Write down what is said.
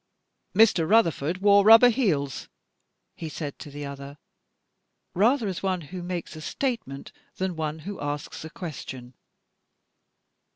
"Mr. Rutherford wore rubber heels," he said to the other, rather as one who makes a statement than one who asks a question.